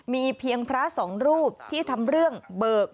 มีเพียงพระสองรูปที่ทำเรื่องเบิก